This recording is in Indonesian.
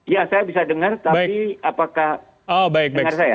ya saya bisa dengar tapi apakah dengar saya